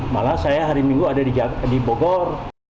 malah saya hari minggu ada di bogor